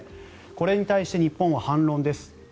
これに対して日本は反論です。